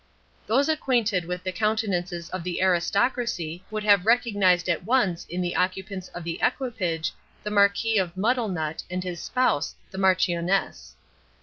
Those acquainted with the countenances of the aristocracy would have recognized at once in the occupants of the equipage the Marquis of Muddlenut and his spouse, the Marchioness.